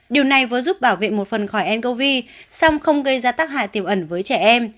điều này vừa giúp bảo vệ một phần khỏi ncov song không gây ra tác hại tiềm ẩn với trẻ em